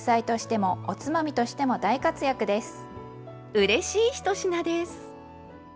うれしい１品です。